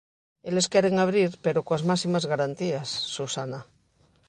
Eles queren abrir, pero coas máximas garantías, Susana.